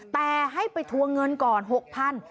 แต่ให้ไปทวงเงินก่อน๖๐๐บาท